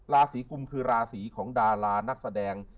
ราศีกุมคือราศีของดารานักแสดง